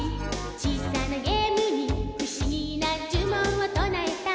「小さなゲームにふしぎなじゅもんをとなえた」